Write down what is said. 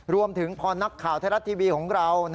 รวมถึงพอนักข่าวไทยรัฐทีวีของเรา